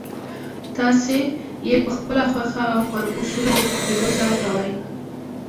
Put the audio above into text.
تاسې يې پخپله خوښه او پر اصولو په پوهېدو سره کوئ.